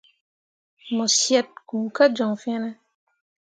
Mo syet kpu kah joŋ fene ?